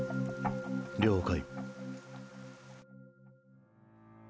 了解。